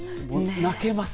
泣けます。